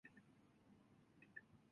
九歳で反抗期